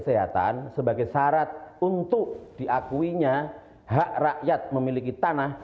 kesehatan sebagai syarat untuk diakuinya hak rakyat memiliki tanah